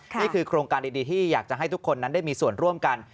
นี่คือโครงการดีที่อยากจะให้ทุกคนนั้นได้มีส่วนร่วมกัน